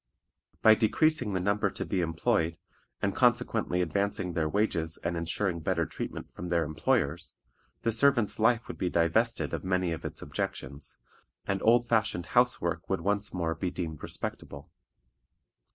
By decreasing the number to be employed, and consequently advancing their wages and insuring better treatment from their employers, the servant's life would be divested of many of its objections, and old fashioned house work would once more be deemed respectable.